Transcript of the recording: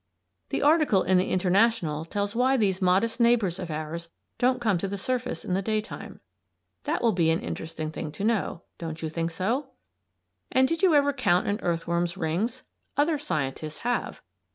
The article in the "International" tells why these modest neighbors of ours don't come to the surface in the daytime. That will be an interesting thing to know. Don't you think so? And did you ever count an earthworm's rings? Other scientists have.